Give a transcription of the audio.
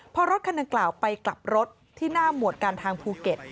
พอรถคันดังกล่าวไปกลับรถที่หน้าหมวดการทางภูเก็ต